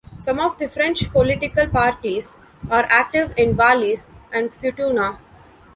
Some of the French political parties are active in Wallis and Futuna.